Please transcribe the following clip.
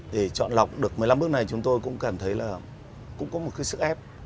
để chọn lọc được một mươi năm bước này chúng tôi cũng cảm thấy là cũng có một cái sức ép